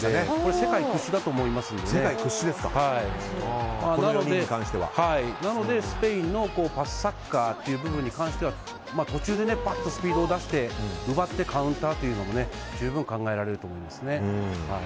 世界屈指だと思いますのでなので、スペインのパスサッカーに関しては途中でバッとスピードを出して奪ってカウンターというのも十分考えられると思います。